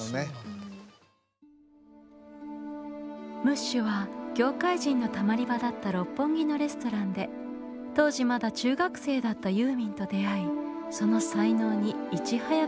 ムッシュは業界人のたまり場だった六本木のレストランで当時まだ中学生だったユーミンと出会いその才能にいち早く注目します。